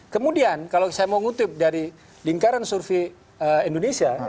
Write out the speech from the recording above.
kemudian kalau saya mau ngutip dari lingkaran survei indonesia